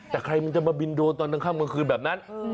แต่ใครมันจะมาบินโดนตอนกลางค่ำกลางคืนแบบนั้น